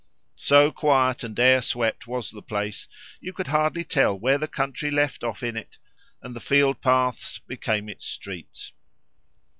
So quiet and air swept was the place, you could hardly tell where the country left off in it, and the field paths became its streets.